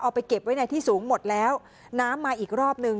ไปเก็บไว้ในที่สูงหมดแล้วน้ำมาอีกรอบนึง